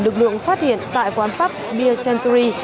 lực lượng phát hiện tại quán pub beer century